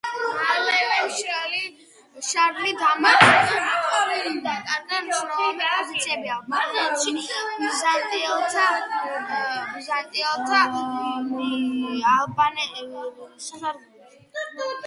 მალევე შარლი დამარცხდა და ნიკიფორემ დაკარგა მნიშვნელოვანი პოზიციები ალბანეთში ბიზანტიელთა სასარგებლოდ.